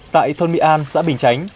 tại thôn mỹ an xã bình chánh